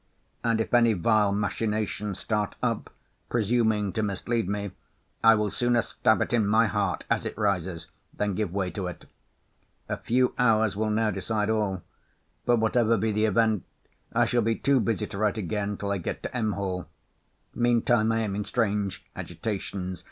And if any vile machination start up, presuming to mislead me, I will sooner stab it in my heart, as it rises, than give way to it. A few hours will now decide all. But whatever be the event, I shall be too busy to write again, till I get to M. Hall. Mean time, I am in strange agitations.